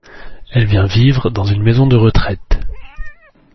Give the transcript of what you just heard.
Elle vient vivre dans une maison de retraite.